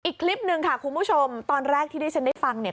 อีกคลิปหนึ่งค่ะคุณผู้ชมตอนแรกที่ที่ฉันได้ฟังเนี่ย